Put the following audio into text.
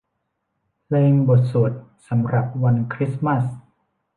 เพลงบทสวดสำหรับวันคริสต์มาส